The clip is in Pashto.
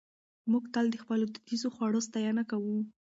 موږ تل د خپلو دودیزو خوړو ستاینه کوو.